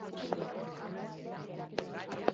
Itsasontzia lehorreratu eta museo bilakatuko baita.